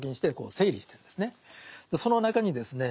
その中にですね